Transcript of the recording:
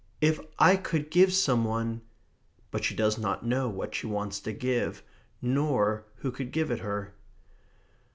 if I could give some one...." But she does not know what she wants to give, nor who could give it her.